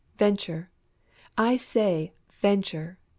Venture! I say, venture!